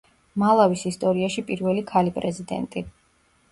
მალავის ისტორიაში პირველი ქალი პრეზიდენტი.